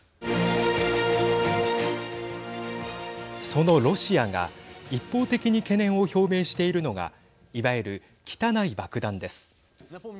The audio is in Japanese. そのロシアが一方的に懸念を表明しているのがいわゆる汚い爆弾です。